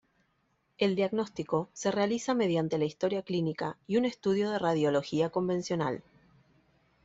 El diagnóstico se realiza mediante la historia clínica y un estudio de radiología convencional.